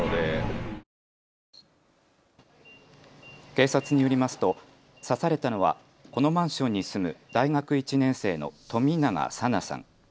警察によりますと刺されたのはこのマンションに住む大学１年生の冨永紗菜さん。